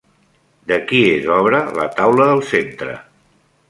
De qui és obra la taula del centre?